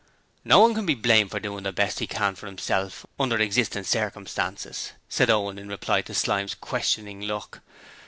'No one can be blamed for doing the best he can for himself under existing circumstances,' said Owen in reply to Slyme's questioning look.